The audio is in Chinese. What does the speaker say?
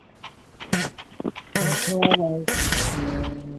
巴祖日下努瓦亚勒人口变化图示